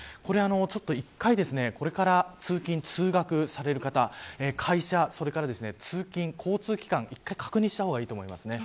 １回、これから通勤通学される方会社、それから通勤、交通機関一回確認した方がいいと思います。